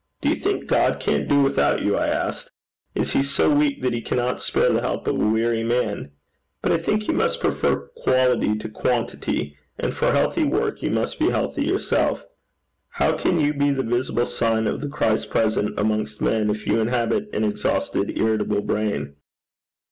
"Do you think God can't do without you?" I asked. "Is he so weak that he cannot spare the help of a weary man? But I think he must prefer quality to quantity, and for healthy work you must be healthy yourself. How can you be the visible sign of the Christ present amongst men, if you inhabit an exhausted, irritable brain?